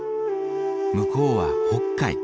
向こうは北海。